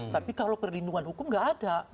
tapi kalau perlindungan hukum tidak ada